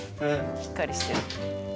しっかりしてる。